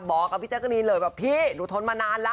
บอกกากพี่เจ้ากะลีนเลยอีดูทนมานานแล้ว